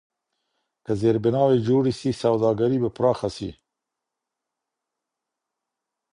که زیربناوي جوړي سي سوداګري به پراخه سي.